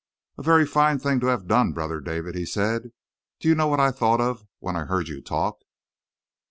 "A very fine thing to have done, Brother David," he said. "Do you know what I thought of when I heard you talk?"